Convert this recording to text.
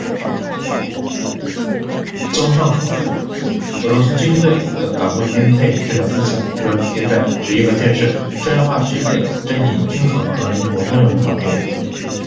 综上所述，俄罗斯军队的岗位编配指导思想主要体现在职业化建设、专业化训练、整体均衡和灵活多样等方面，旨在提高军队作战效能，适应多样化的军事挑战和战争环境，确保国家安全和国防利益的实现。